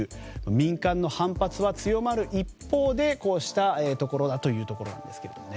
民間の反発は強まる一方でこうしたところだということですけどね。